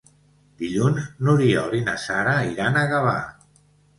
Dilluns n'Oriol i na Sara iran a Gavà.